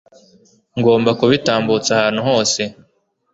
ngomba kubitambutsa ahantu hose